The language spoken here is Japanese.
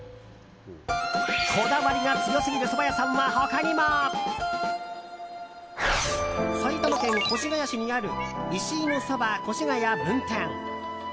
こだわりが強すぎるそば屋さんは他にも。埼玉県越谷市にあるいしいのそば越谷分店。